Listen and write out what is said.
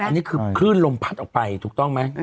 อันนี้คือคลื่นลมพัดออกไปถูกต้องไหม